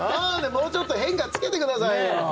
もうちょっと変化つけてくださいよ！